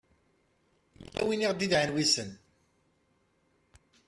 yella win i aɣ-d-idɛan wissen